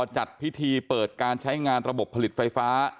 จัดพิธีเปิดการใช้งานระบบผลิตไฟฟ้า